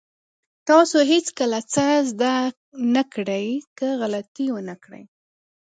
تاسو هېڅکله څه زده نه کړئ که غلطي ونه کړئ.